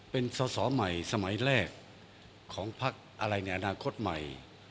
เป็นสอสอใหม่สมัยแรกของพักอะไรในอนาคตใหม่